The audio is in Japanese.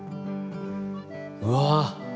うわ！